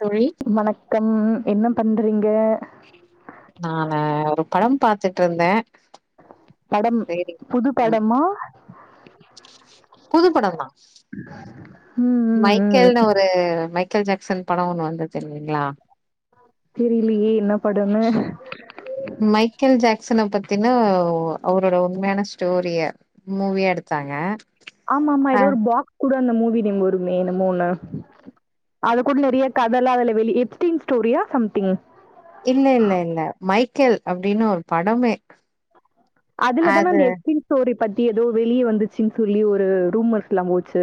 தோழி வணக்கம் என்ன பண்றீங்க நாங்க ரொ படம் பாத்துட் இருந்தே படம் புது ம் படமா புது படந்தா ம் ம் ம் மைக்கேல்னு ஒரு மை மைக்கேல்ஜாக்சன் படோ ஒன்னு வந்துச்சில்லைங்ளா தெரியலியே என்னா மைக்கேல் ஜாக் சனப்பத்தினா அவரோட உண்மையான ஸ்டோரிய மூவியா எடுத்தாங்க ஆமா ஆமா அ ஏதோ ஒரு பாக்ஸ் கூட அந்த மூவி நேம் வருமே என்னமோ ஒன்னு அது கூட நிறைய கதலா அதுல வெளியா எக்ஸ்டிம் ஸ்டோரியா சம்திங் இல்ல இல்ல இல்ல மை க்கல் அப்படின்னு ஒரு படமே அதுலதான அது அந்த எக்ஸ்டிம் ஸ்டோரி பத்தி ஏதோ வெளிய வந்துச்சுன்னு சொல்லி ஒரு ரூமர்ஸ்ல்லா போச்சு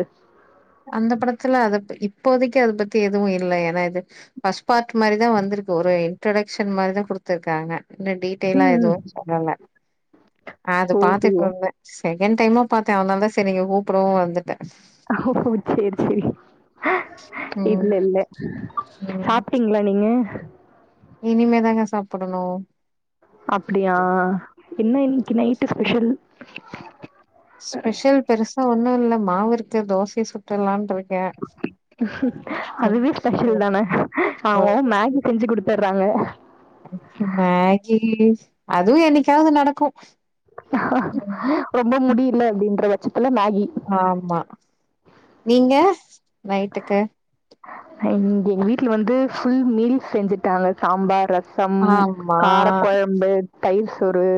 அந்த படத்துல அது இப்போதைக்கு அத பத்தி எதுவு இல்லை ஏன்னா இது பஃர்ஸ்ட் பார்ட் மாரிதா வந்திருக்கு ஒரு இன்ட்ரொடக்ஷன் மாரிதான் குடுத்துருக்காங்க இன்னோ டீட்டெய்லா ம் ம். எதுவும் சொல்லல அது ஓஹோ பாத்துகுட்ருந்தேன் செகண்ட் டைமா பாத்தேன் அதனாலதா சரி நீங்க கூப்பிடவும் வந்துட்டேன் ஓ ஓ செரி செரி இல்ல ம் இல்ல சாப்ட்டீங்களா நீங்க இனிமே தாங்க சாப்பிடனும் அப்டியா என்ன இன்னிக்கு நைட்க்கு ஸ்பெஷல் ஸ்பெஷல் ஒன்னும் இல்லை மாவு இருக்கு தோசைய சுட்டுட்ரலாம்னு அதுவே ஸ்பெஷல்தானே ம், அவுங்கவுங்க ம். மேகி செஞ்சு கொடுத்த தாங்க மேகி அதுவும் என்னைக்காவது நடக்கும் ம். ரொம்ப ம். முடியல அப்டின்ற மாரி ஆமா நீங்க நைட்டுக்கு எங்க வீட்டுல வந்து புல் மீல் செஞ்சுட்டாங்க சாம்பார் ரச சம் ஆமா கார கொழம்பு தையிர் சோறு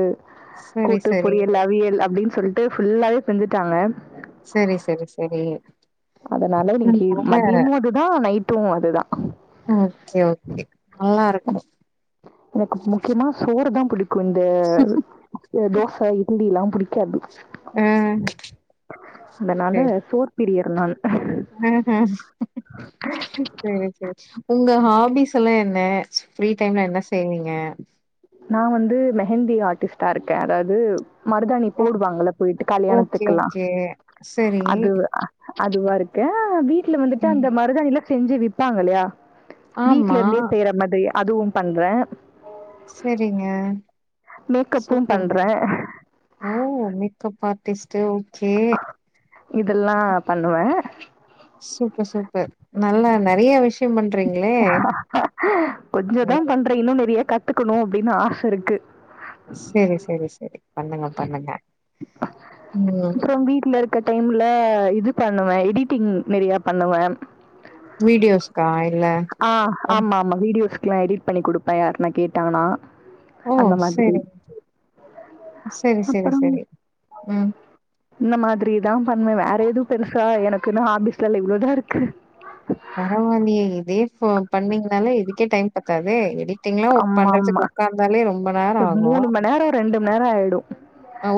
சரி கூட்டு சரி பொரியல் அவியல் அப்படின்னு சொல்லிட்டு ஃபுல்லாவே செஞ்சுட்டாங்க செரி செரி செரி அதனால இன்னைக்கு அதனால மதியமும் அதுதான் நைட்டும் அதுதான் ஓகே ஓகே நல்லா இருக்கு க்கு இந்த தோச இட்லில்லா புடிக் கேப் ஆ அதனால சேரி சே சோறு பிரியர் நான் ஆ அ சேரி சேரி உங்க ஹாபிஸ் எல்லா என்ன ஃப்ரீ டைம்ல என்ன செய்வீங்க நான் வந்து மெஹந்தி ஆர்ட்டிஸ்ட்டா இருக்கே அதாது மருதாணி ஓ போடுவாங்கல்ல போயிட்டு ஓகே கல்யாணத்துக்கெல்லா ஓகே சரி அது அதுவா இருக்க வீட் ட்டில வந்துட்டு ம் அந்த மருதாணில செஞ்சி விப்பாங்க இல்லையா வீட்ல ஆமா இருந்தே செய்யற மாதிரியா அதுவு பண்றே சேரிங்க மேக்கப்பும் சூப்பருங்க பண்றேன். ஓ மிக்க ப டெஸ்ட்டு இதெல்லா பண்ணுவே சூப்பர் சூப்பர் நல்லா நெறைய விஷ் கொஞ்சதா ம். பண்றீங்னே இன்னு நெறைய கத் த்துக்கணு அப்பிடின்னு ஆச இருக்கு சேரி சேரி சேரி பண்ணுங்க பண்ணுங்க ம் அப்புறோ வீட்டுல இருக்க டைம் ம்ல இது பண்ணுவே எடிட்டிங் நெறைய பண்ணுவே வீடியோஸ்கா இல்ல க்குலா எடிட் பண்ணி குடுப்பே யாருனா கேட்டாங்கனா ம் சேரி சேரி சேரி அப்புறம் சேரி ம் இந்த மாதிரிதா பண்ணுவே வேற எதுவு பெருசா எனக்கு நா ஆஹாபீஸ்ல இவ்ளோதா இருக்கு பரவால்லயே இதே ஃபோ பண்ணீங்கனாலே இதுக்கே டைம் பத்தாதே எடி ட்டிங்கலா ஒர்க் ஆமா ஆமா பண்றதுக்கு உக்காந்தாலே ரொம்ப நேரோ ஆகு மூணு மணி நேரம் ரெண்டு மணி நேரம் ஆயிடும்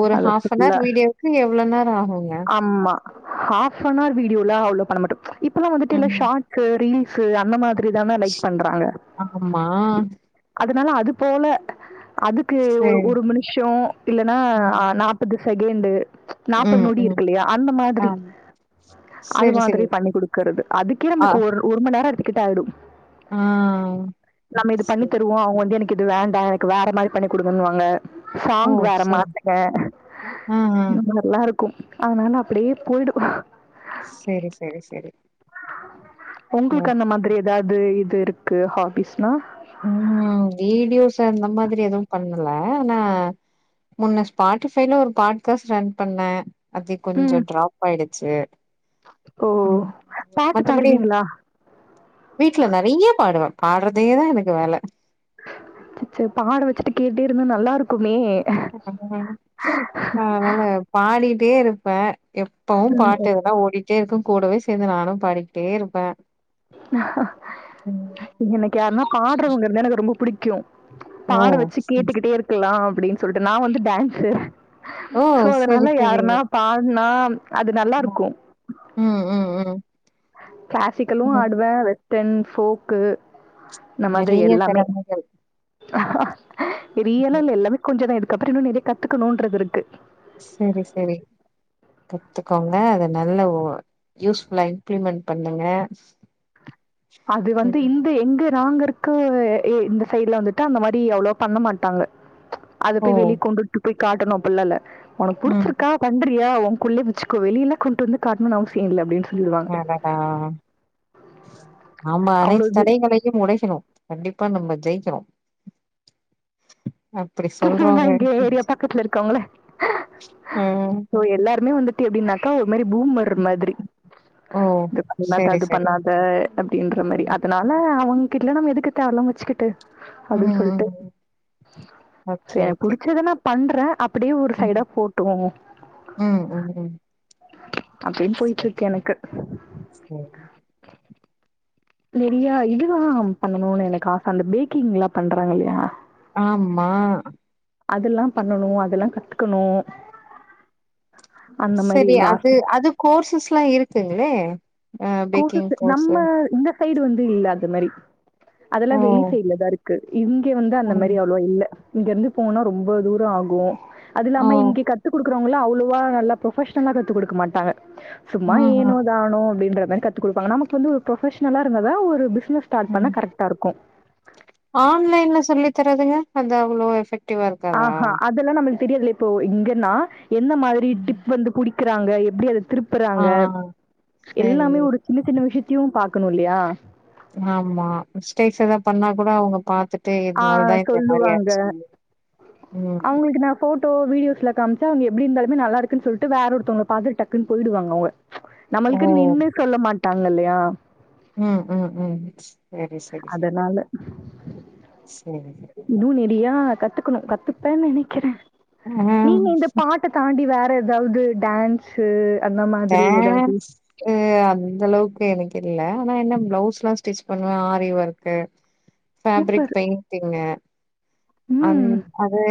ஒரு அது ஃபுல்லா ஃஆப்னவர் வீடியோக்கு எவ்ளோ நேரோ ஆகுங்க ஆமா ஹாஃப் அன் ஆர் வீடியோல அவ்ளோ பண்ணமட்டு இப்பல்லா வந்துட்டு இல்ல ம் ஷாட்ஸு ரீல் ஸு அந்த மாதி ரி தான லைக் பண்றாங்க ஆமா அதுனால அது போல அதுக்கு சரி ஒரு மினுஷொ இல்லன்னா ம் நாப்பது செகேண்டு நாப்பது ம் நொடி ம் இருக்குல்லயா அந்த ஆ மாதிரி அது சரி சரி மாதிரி பண்ணி குடுக்கறது அதுக்கே ஆ நம்மளுக்கு ஒரு ஒரு மண்நேர இருக்கு கிட்ட ஆயிடு ஆ நம்ம இது பண்ணி சரி வோ அவுங்க வந்து எனக்கு இது வேண்டா எனக்கு வேற மாரி பண்ணி குடுங்கன்னுவாங்க ஓ சாங் வேற சரி மாத்துங்க ஆ ஆ இது மார்லா இரு க்கு அதுனால அப்பிடியே போய்டு செரி செரி செரி [inaudible] உங்களுக்கு அந்த மாதிரி எதாவ்து இ திருக்கு ஹாபிஸ்னா ம் வீடியோஸ் அந்த மாதிரி எதுவு பண்ணல ஆனா முன்ன ஸ்பாட்டிஃபைல ஒரு பாட்காஸ்ட் ரன் பண்ணே அது கொஞ்சொ ம். டிராப் ஆயிடு ச்சு ஓ! ம் பாட்டு மத்தபடி பாடுவீங்களா? வீட்ல நறைய பாடுவே பாட்றதேதா எனக் வேல செ செர் பாட வச்சுட்டு கேட்டே இருந்தா நல்லா இருக்குமே [unintelligible] அதுனால பாடி ட்டே இருப்பே எப்பவு ம். பாட்டு இதெல்லா ஓடிட்டே இருக்கு கூடவே சேந்து நானு பாடிக்கிட்டே இருப்பே எனக்கு யார்னா பாட்றவுங்க எனக்கு ரொம்ப புடிக்கு ஓ பாட வச்சி கேட்டுகிட்டே இருக்கலா அப்டின் சொல்டு நா வந்து டான்ஸு ஓ சோ செரி அதனால செரி யாருன்னா பாட்னா அது நல்லா ம் இருக்கு ம் ம் கிளாசிக்கலு ம் ஆடுவே வெஸ் டென் ஃபோக்கு இந்த மாதிரி நெறைய எல்லாமே திறமைகள் ரியலால எல்லாமே கொஞ்சதா எதிர் க்கப்புற இன்னு நெறய கத்துகுனுற்றது இருக்கு சேரி சேரி கத்துக்கோங்க அத நல்ல யூஸ்ஃபுல்லா இம்ப்ளிமெண்ட் பண்ணுங்க அது வந்து ம் இந்த எங்க ராங்கர் க்கு எ இந்த சைட்ல வந்துட்டு அந்த மாரி அவ்ளவ பண்ண மாட்டாங்க அத ஓ பேய் வெளி கொண்டுடு பேய் காட்டணு அப்ளாஇல்ல ஒனக் ம் புடிச்சிர்கா பண்றியா ஒ கொள்ளே வச்சுக்கோ வெலிலா கொண்டு வந்து காட்டுனுன் அவசிய இல்ல அப்டின் அடடா ஆமா அவ்ளோ அனைத்து இது. தடைகளையு உடைக்ணு கண்டிப் ப்பா நம்ம ஜெய்க்னு துசுனா எங்க ஏரியா பக்கத்துல இருக்கவுங்கள ம் சோ எல்லாருமே வந்து டி எப்டின்னாக்காவ் ம்மேரி பூம் வர் மாதிரி ஓ இது பண்ணாத செரி அது செரி பண்ணாத அப்டின்ற மாரி ம் அதனால அவங் கெட்ல நம்ம எதுக்கு தேவல்லாம வச்சிகிட்டு அப்டின் ம் ம், சொல்டு ம். சே ஓகே எனக்கு ஓகே புடிச்சதெனாப் பண்றே அப் அப்டியு ஒரு சைடா ம் போட்டோ ம் ம் ம் அப்டின் செரி போயிட்ர்க் எனக்கு செரி நிறையா இதுதா பண்ணுனு எனக்கு ஆச அந்த பேக்கிங்லா பண்றாங்க இல்யா ஆம்மா அதல்லா பண்ணணு அதல்லா கத்துக்கணு அந்த மாரி சேரி ஒரு ஆச அது அது கோர்சஸ்ல்லா இருக் த்து [unintelligible] நம்ம இந்த சைடு வந்து இல்ல அந்த மாரி அதெல்லா ஓ வெளி சைடுலதா இருக்கு இங்க வந்து அந்த மாரி ம் அவ்ளோவா இல்ல இங்க இருந்து போனா ரொம்ப தூரோ ஆகு அது ஓ இல்லாம இங்க கத்து குடுக் குறவங்கள அவ்வளோவா நல்லா புரொஃஷ்னலா கத்து குடுக்க மாட்டாங்க சும்மா ம் ஏனோ ம் தனோ அப்டின்ற மாரி கத்து கேடுப்பாங்க நமக்கு வந்து ஒரு புரொஃப்ஷனலா இருந்தாதா ஒரு பிஸ் பிஸ்னஸ் ஸ்டாட் பண்ண ம் கரெக்டா இருக்கு ஆன்லைன்ல சொல்லி தர்றதுங்க அது அவ்வளோ எஃபெக்ட் ஆஹா அதெல்லா நமளுக் தெரியல இப்போ இங்கன்னா என்ன மாதிரி ம். டிப் வந்து குடி இருக்குறாங்க எப்டி அது ஆ திருப்புறாங்க செரி எல்லாமே ஒரு சின்ன சின்ன விஷ்யத்தையு பாக் இருக்கணு இல்லையா ஆமா மிஸ்டேக்ஸ் எதா பண்ணா கூட அவங்க பாத்துட் டு ஆ இதனால தா இந்த மாரி சொல்லுவாங்க ஆச்சு ம் ம் டோ வீடியோஸ்ல காமுச்சா அவுங்க எப்டி இருந்தாலுமே நல்லா இருக்குன் சொல்ட்டு வேற ஒருத்தவங்கள பாத்துட் டக்குன் போயிடுவங்கோ அவுங்க ஓ நம்மளுக்கு நின்னு சொல்ல மாட் டாங்க இல்லையா ம் ம் ம் சேரி சேரி சேரி இன்னு நெடியா கத்துக்கணு கத்துப்பேன் நெனைக்கிற ஆ நீங்க இந்த பாட்ட தாண்டி வேர் எதாவது டேன்ஸு த்த ஆ அத் அந்த அளவுக்கு எனக்கு இல்ல ஆனா என்ன பிளவுஸ் எல்லா ஸ்டிச் பண்ணுவ aari work fabric super painting அந் ம் அது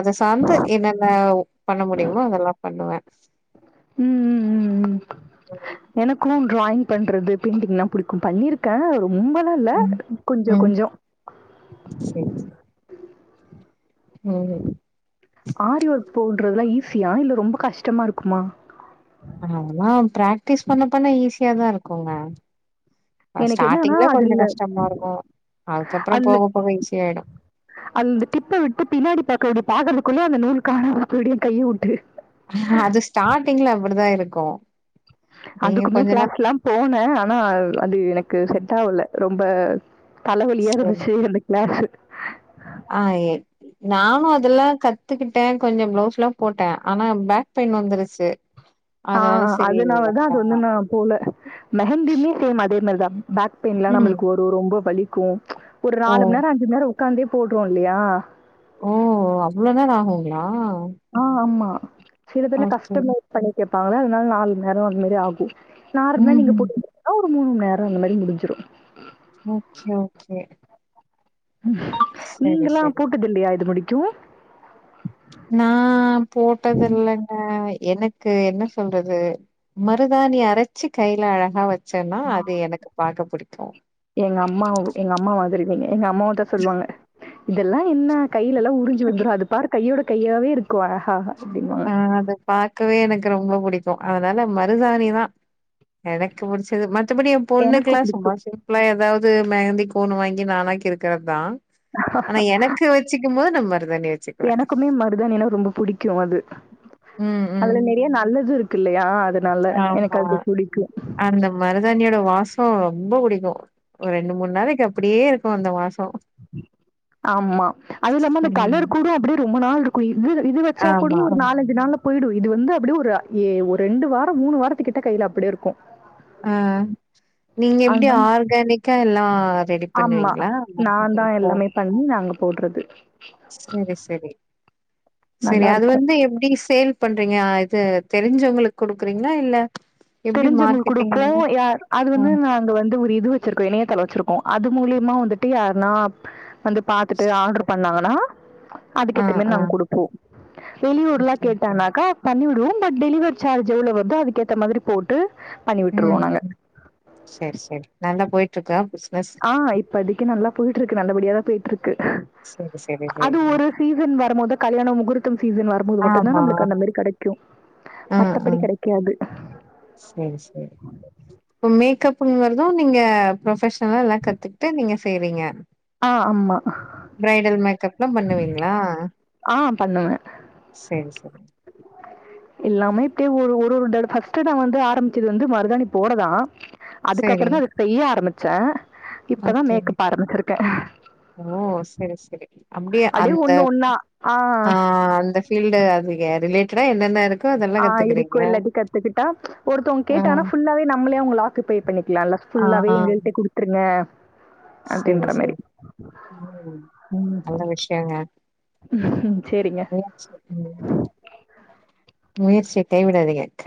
அத சார்ந்த என்னென்ன பண்ண முடியுமோ அதெல்லா பண்ணுவே உம் உம் உம் உம் எனக்கும் டிராயிங் பண்றது பெய்ண்டிங்லா பிடிக்கு பண்ணியிருக்கே ரொம்பல்லா இல்ல ம் கொஞ்சோ ம் கொஞ்சோ உம் ஆரி ஒர்க் போடுறதெல்லா ஈஸியா இல்ல ரொம்ப கஷ்டமா இருக்குமா அதெல்லா பிராக்டிஸ் பண்ண பண்ண ஈஸியாதா இருக்குங்க எனக்கு என்னான்னா ஸ்டார்டிங்ல கொஞ்சோ அதுல கஷ்டமா இருக்கு அதுக்கப்றோ அது போக போக ஈஸியாயிடு அது டிப்ப விட்டு பின்னாடி பா அப்டி பாக்குறதுக்குள்ள அந்த நூல் காணம போய்டு கைய விட்டு அது ஸ்டாட்டிங்ல அப்டிதா இருக்கு நீங்க அதுக்குமே கொஞ்ச நாள் கிளாஸ்ல்லா போனே ஆனா அது எனக்கு செட் ஆவல ரொம்ப தலவலியா இருந்துச்சு எந்த கிளாஸு அ நானு அதெல்லா கத்துக்கிட்டே கொஞ்சோ பிளவுஸ் எல்லா போட்டே ஆனா பேக் பெயின் வந்துருச்சு ஆ அதனால சரி அதனாலதா அது வேண்டா வந்து நா போல மெஹந்திமே சேம் அதே இனிமேல்தா பேக் பெயின்லா ம் நம்மளுக்கு ஒரு ரொம்ப வலி க்கும் ஒரு ஓ நாலு மணி நேரோ அஞ்சு மணி நேரோ ஒக்காந்தே போட்றோ இல்லையா ஓ அவ்வளோ நேரோ ஆகுங்ளா ஆ ஆமா சிலதெல்லா ஓகே கஸ்டமைஸ் பண்ணி கேட்பாங்ளா அதனால நாலு நேரோ அதுமாரி ஆகு நார்மலா ம் நீங்க ம் போட்டு மூனு மணி நேரோ அந்தமாரி முடிஞ்சிடு ஓகே ஓகே சரி நீங்கெல்லா சரி போட்டதில்லயா இது முடி க்யூ நா போட்டதில்லங்க எனக்கு என்ன சொல்றது மருதாணி அரைச்சு கைல அழகா வ ச்சன்னா அது எனக்கு பாக்க பிடிக்கும் ஓ எங்க அம்மா எங்க அம்மா மாதிரிநீங்க எங்க அம்மாவும் அது தான் சொல்லுவாங்க இதெல்லாம் என்ன கையில எல்லாம் உறிஞ்சு வந்துடும் அது பாரு கையோட கையாவே இருக்கும் ஹா ஆஹ் அத பாக்கவே எனக்கு ரொம்ப புடிக்கும் க்கு அதனால மருதாணி தான் எனக்கு பிடிச்சது ம மத்தபடி என் எனக்கு பொண்ணுக்கலாம் புடிக்கு சும்மா சிம்பிளா ஏதாவது மெஹந்தி போன வாங்கி நான இருக்கறது தான் ஆனா எனக்கு வச்சுக்கும்போது நம்பர் எனக்குமே மருதாணினா ரொம்ப புடிக்கும் அது ம் ம் அதுல நிறைய நல்லது இருக்கு இருக்கு இல்லையா அதனால எனக்கு ஆமா அது புடிக்கு அந்த மருதாணியோட வாச ரொம்ப பிடிக்கும் ஒரு ரெண்டு மூணு நாளைக்கு அப்படியே இருக்கும் அந்த வாசம் ஆமா அது இல்லாம அந்த ம் கலர் கூட அப்படியே ரொம்ப நாள் இருக்கும் இது இது வச்சா கூட ஆமா ஒரு ஆமா நாலஞ்சு நாள்ல போயிடு இது வந்து அப்படியே ஒரு ஒரு ரெண்டு வாரம் மூணு வாரத்துக்கிட்ட கையில அப்படியே இருக்கும் ஆஹ நீங்க எப்படி அதனால ஆர்கானிக்கா எல்லாம் ஆமா நான் தான் எல்லாமே பண்ணி நாங்க போடுறது செரி செரி செரி நல்லா அது இருக்கு வந்து எப்படி சேல் பண்றீங்கா இது தெரிஞ்சவங்களுக்கு கொடுக்குறீங்களா இல்ல எப்டி தெரிஞ்சவங்க மார்க்கெட்டிங் கொடுப்போம் அதுலா யா அது வந்து நா அங்க வந்து ஒரு இது வச்சிருக்கோம் இணையதளம் வச்சிருக்கோம் அது மூலியமா வந்துட்டு யாருன்னா வந்து பார்த்துட்டு ஆ ஆர்டரு பண்ணாங்கன்னா ஆ அதுக்கேத்த மாரி ஆ நாங்கள் கொடுப்போம் வெளியூர்லாம் ஓகே ஓகே கேட்டனாக்கா பண்ணி விடுவோம் இப்ப டெலிவரி சார்ஜ் எவ்ளோ வருதோ அதுக்கு ஏத்த மாதிரி போட்டு பண்ணி ம் விட்டுருவோம் நாங்க. சேரி சேரி நல்லா போயி ட்ருக்கா ஆ இப்பதிக்கு நல்லா போயி ட்ருக்கு நல்லபடியாதா போய்ட்டுருக் க்கு சரி சரி அது சரிங்க ஒரு சீசன் வருபோதா கல்யணம் முகூர்த்தும் சீசன் வருபோது மட்டுதா ஆமா நம்மளுக்கு அந்த மாரி கெடைக்கு மத்தபடி கெடைக்காது சேரி சேரி இப்ப மேக்கப் ப்ன் மாரிதா நீங்க ப்ரொஃபெஷ் நல்லா எல்லா கத்துகிட்டு நீங்க சேரிங்க ஆ ஆமா. பிரைடல் மேக்கப்ல்லா பண்ணுவீங்களா ஆ பண்ணுவேன். சேரி சே ச எல்லாமே இப்பிடியே ஒரு ஒரு தட பஸ்ட் நா வந்து ஆரம்பிச்சது வந்து மருதாணி போடதா சரி அதுக்கப்புறோதா அது செய்ய ஆரம் ச்ச ஓகே ஓ சேரி சேரி அப்பிடியே அப்டியே அந்த ஒண்ணு ஒண்ணா ஆ அந்த ஃபீல்ட் அதுகு ரிலேட்டடா ல்லன இருக் ஆ இருக்கு எல்லாத்தியு கத்துக்கிட்டா ஒருத்தவங்க கேட்டானா ஆ ஃபுல்லாவே நம்மளே அவுங்க லாக்கு பேபண்ணிக்கலால்ல ஃபுல்லாவே எங்கள்ட்ட குடுத்துருங்க சேரி அப்டின்ற மாரி. சேரி ம் நல்ல விஷ்யங்க சரிங்க. [unintelligible] முயற்சி தேய் விடதிங்க க